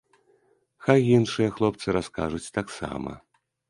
Хай іншыя хлопцы раскажуць таксама.